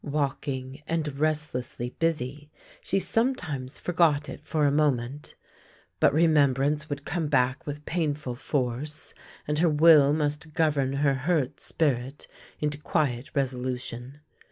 Waking and restlessly busy, she sometimes forgot it for a moment, but remembrance would come back with painful force, and her will must govern her hurt spirit into quiet resolution.